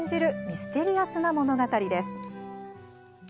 ミステリアスな物語です。